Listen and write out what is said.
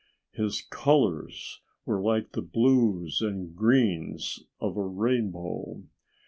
His colors were like the blues and greens of a rainbow.